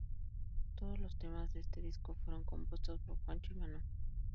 Todos los temas de este disco fueron compuestos por Juancho y Manu.